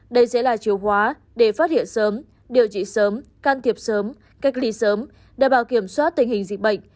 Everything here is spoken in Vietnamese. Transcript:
đây sẽ là chiều hóa để phát hiện sớm điều trị sớm can thiệp sớm cách ly sớm đảm bảo kiểm soát tình hình dịch bệnh